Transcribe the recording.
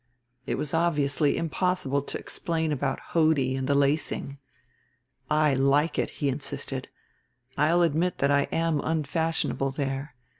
It was obviously impossible to explain about Hodie and the lacing. "I like it," he insisted. "I'll admit that I am unfashionable there.